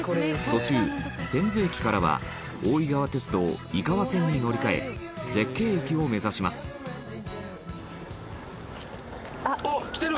途中、千頭駅からは大井川鐵道井川線に乗り換え絶景駅を目指します徳永：来てる！